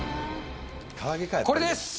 これです！